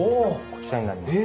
こちらになります。